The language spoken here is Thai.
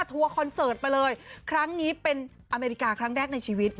คอนเสิร์ตไปเลยครั้งนี้เป็นอเมริกาครั้งแรกในชีวิต